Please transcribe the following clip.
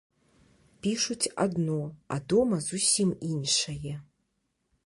Пішуць адно, а дома зусім іншае.